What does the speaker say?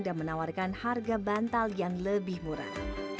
dan menawarkan harga bantal yang lebih murah